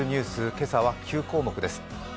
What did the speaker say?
今朝は９項目です。